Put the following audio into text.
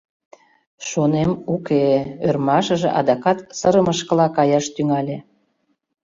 — Шонем, уке! — ӧрмашыже адакат сырымышкыла каяш тӱҥале.